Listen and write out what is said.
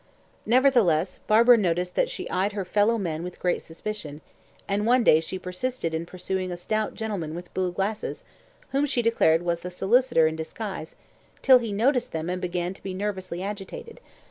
Nevertheless, Barbara noticed that she eyed her fellow men with great suspicion, and one day she persisted in pursuing a stout gentleman with blue glasses, whom she declared was the solicitor in disguise, till he noticed them and began to be nervously agitated.